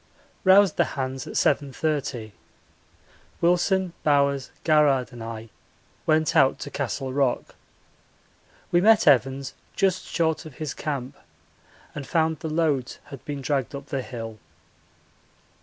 Roused the hands at 7.30. Wilson, Bowers, Garrard, and I went out to Castle Rock. We met Evans just short of his camp and found the loads had been dragged up the hill.